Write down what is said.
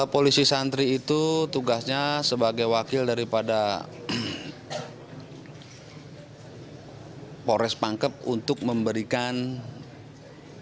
polisi santri itu tugasnya sebagai wakil daripada polres pangkep untuk memberikan bantuan